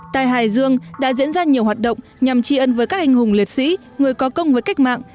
tại hải dương đã diễn ra nhiều hoạt động nhằm tri ân với các anh hùng liệt sĩ người có công với cách mạng